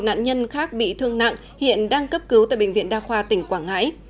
một mươi một nạn nhân khác bị thương nặng hiện đang cấp cứu tại bệnh viện đa khoa tỉnh quảng ngãi